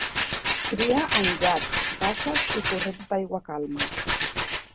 Cria en llacs, basses i corrents d'aigua calma.